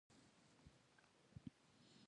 اوامرو منلو ته مجبور شو.